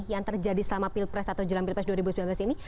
yang terjadi selama pilpres atau jelang pilpres dua ribu sembilan belas ini